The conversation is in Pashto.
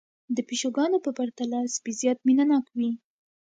د پيشوګانو په پرتله سپي زيات مينه ناک وي